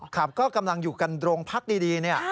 ครับก็กำลังอยู่กันโรงพักดีเนี่ย